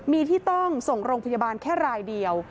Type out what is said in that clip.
มีที่ต้องส่งโรงพยาบาลแค่รายเดียว